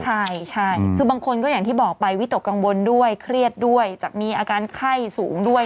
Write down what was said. ใช่ใช่คือบางคนก็อย่างที่บอกไปวิตกกังวลด้วยเครียดด้วยจากมีอาการไข้สูงด้วย